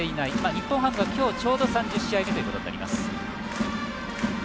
日本ハムは今日がちょうど３０試合目ということになります。